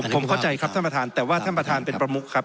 ผมเข้าใจครับท่านประธานแต่ว่าท่านประธานเป็นประมุขครับ